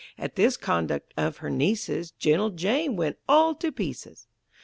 At this conduct of her niece's Gentle Jane went all to pieces.